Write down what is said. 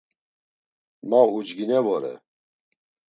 Ma ucgine vore.